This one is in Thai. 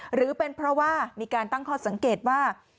หรือเป็นเพราะว่ามีการตั้งข้อสังเกตว่า